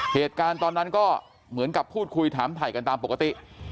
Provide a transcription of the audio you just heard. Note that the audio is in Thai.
เหตุการณ์ตอนนั้นก็เหมือนกับพูดคุยถามถ่ายกันตามปกติ